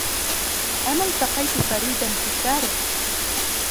أنا التقيت فريد فى الشارع.